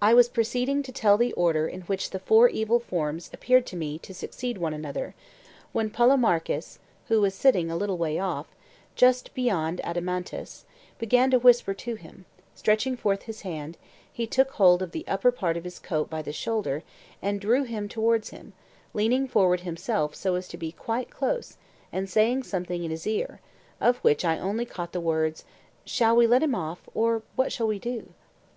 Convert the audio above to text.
I was proceeding to tell the order in which the four evil forms appeared to me to succeed one another, when Polemarchus, who was sitting a little way off, just beyond Adeimantus, began to whisper to him: stretching forth his hand, he took hold of the upper part of his coat by the shoulder, and drew him towards him, leaning forward himself so as to be quite close and saying something in his ear, of which I only caught the words, 'Shall we let him off, or what shall we do?